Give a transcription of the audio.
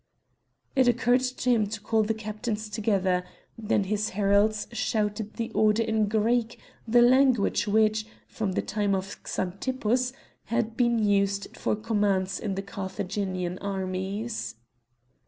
It occurred to him to call the captains together; then his heralds shouted the order in Greek, the language which, from the time of Xanthippus, had been used for commands in the Carthaginian armies.